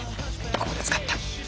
ここで使った。